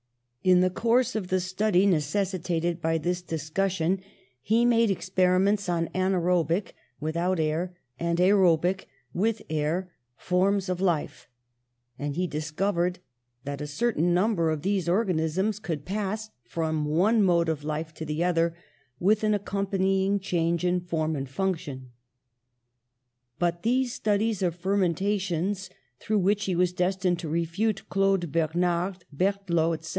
In the course of the study necessitated by this discussion he 114 I THE CURATIVE POISON 115 made experiments on anaerobic (without air) and aerobic (with air) forms of life, and he dis covered that a certain number of these organ isms could pass from one mode of life to the other with an accompanying change in form and function. But these studies of fermentations, through which he was destined to refute Claude Ber nard, Berthelot, etc.